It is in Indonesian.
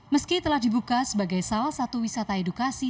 meski telah dibuka sebagai salah satu wisata edukasi